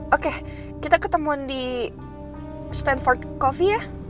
oke kita ketemuan di standford coffee ya